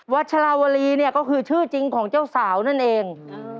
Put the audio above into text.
ชลาวรีเนี่ยก็คือชื่อจริงของเจ้าสาวนั่นเอง